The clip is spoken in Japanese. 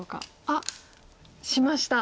あっしました。